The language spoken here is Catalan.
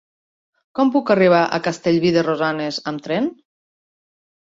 Com puc arribar a Castellví de Rosanes amb tren?